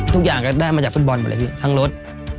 ทุกอย่างก็ได้มาจากฟุตบอลทั้งรถ